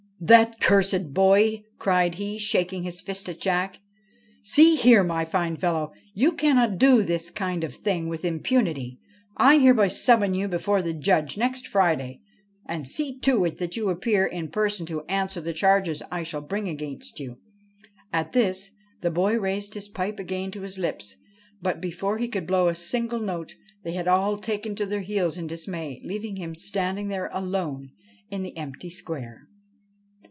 ' That cursed boy 1 ' cried he, shaking his fist at Jack. ' See here, my fine fellow, you cannot do this kind of thing with impunity. 126 THE FRIAR AND THE BOY I hereby summon you before the Judge next Friday, and see to it that you appear in person to answer the charges I shall bring against you.' At this the boy raised his pipe again to his lips ; but, before he could blow a single note, they had all taken to their heels in dismay, leaving him standing there alone in the empty square.